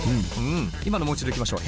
今のもう一度いきましょう。